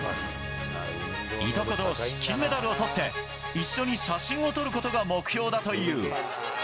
いとこ同士、金メダルをとって一緒に写真を撮ることが目標だという。